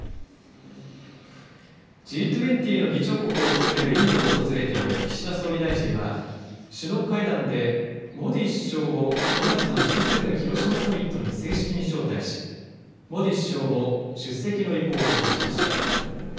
Ｇ２０の議長国を務めるインドを訪れている岸田総理大臣は首脳会談でモディ首相を５月のＧ７広島サミットに正式に招待しモディ首相も出席の意向を示しました。